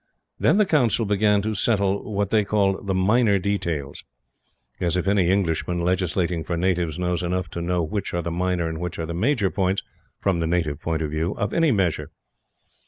Then the Council began to settle what they called the "minor details." As if any Englishman legislating for natives knows enough to know which are the minor and which are the major points, from the native point of view, of any measure!